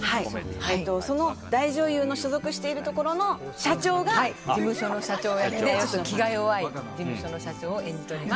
その大女優の所属しているところの社長が事務所の社長役で気が弱い事務所の社長を演じております。